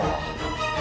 aku sudah berubah